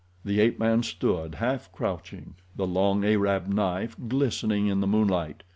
The ape man stood, half crouching, the long Arab knife glistening in the moonlight.